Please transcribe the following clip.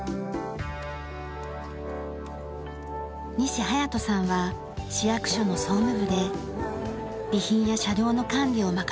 西駿斗さんは市役所の総務部で備品や車両の管理を任されています。